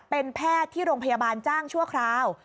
เป็นแพทย์ที่โรงพยาบาลจ้างชั่วคราว